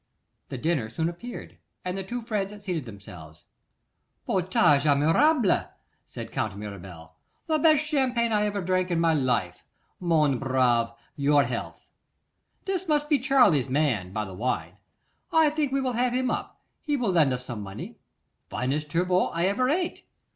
The dinner soon appeared, and the two friends seated themselves. 'Potage admirable!' said Count Mirabel. 'The best champagne I ever drank in my life. Mon brave, your health. This must be Charley's man, by the wine. I think we will have him up; he will lend us some money. Finest turbot I ever ate!